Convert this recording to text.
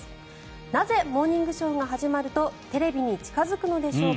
なぜ「モーニングショー」が始まるとテレビに近付くのでしょうか。